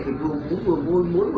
cho cháu xem cái thuốc bôi một tí đi ạ